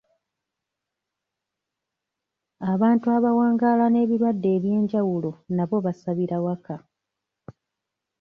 Abantu abawangaala n'ebirwadde eby'enjawulo nabo basabira waka.